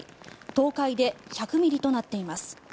東海で１００ミリとなっています。